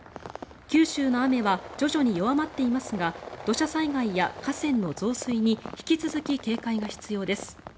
九州の雨は徐々に弱まっていますが土砂災害や河川の増水に引き続き警戒が必要です。